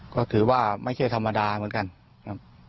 ก็ถือว่าไม่ใช่ธรรมดาเหมือนกันครับ